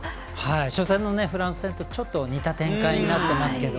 初戦のフランス戦とちょっと似た展開になってますけど。